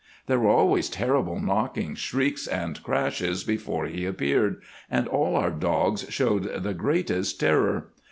"There were always terrible knockings, shrieks, and crashes before he appeared, and all our dogs showed the greatest terror.